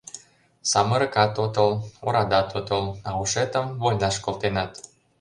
Самырыкат отыл, орадат отыл, а ушетым вольнаш колтенат...